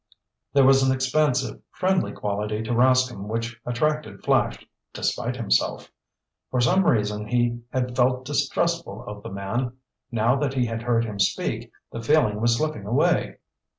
There was an expansive, friendly quality to Rascomb which attracted Flash despite himself. For some reason he had felt distrustful of the man. Now that he had heard him speak, the feeling was slipping away.